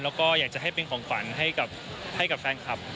แล้วก็อยากจะให้เป็นของขวัญให้กับแฟนคลับ